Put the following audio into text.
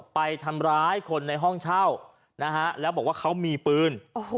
ไปทำร้ายคนในห้องเช่านะฮะแล้วบอกว่าเขามีปืน